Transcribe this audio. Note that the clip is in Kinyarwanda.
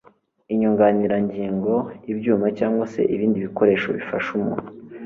inyunganirangingo ibyuma cyangwa ibindi bikoresho bifasha umuntu